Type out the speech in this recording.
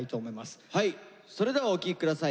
それではお聴き下さい。